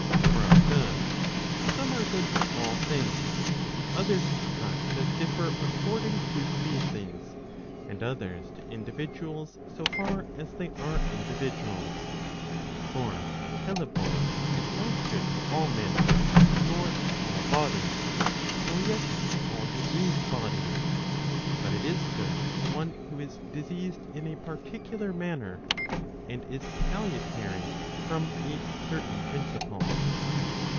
For of goods, some are good to all things, others to such as differ according to species, and others to individuals, so far as they are individuals. For hellebore is not good to all men, nor to all bodies, nor yet to all diseased bodies, but it is good to one who is diseased in a particular manner, and is salutary from a certain principle.